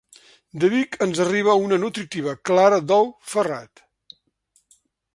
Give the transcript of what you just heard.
De Vic ens arriba una nutritiva Clara Dou Ferrat.